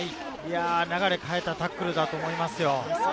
流れを変えたタックルだと思いますよ。